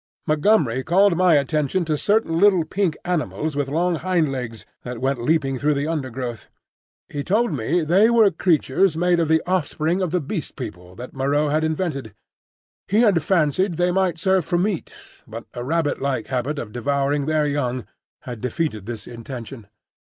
Montgomery called my attention to certain little pink animals with long hind legs, that went leaping through the undergrowth. He told me they were creatures made of the offspring of the Beast People, that Moreau had invented. He had fancied they might serve for meat, but a rabbit like habit of devouring their young had defeated this intention.